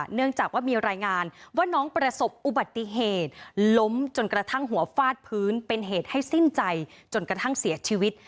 เนื่องจากว่ามีรายงานว่าน้องประสบอุบัติเหตุล้มจนกระทั่งหัวฟาดพื้นเป็นเหตุให้สิ้นใจจนกระทั่งเสียชีวิต